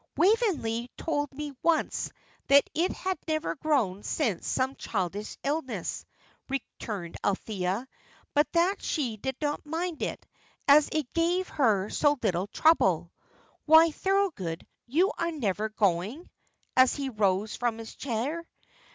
"Waveney told me once that it had never grown since some childish illness," returned Althea, "but that she did not mind it, as it gave her so little trouble. Why, Thorold, you are never going?" as he rose from his chair.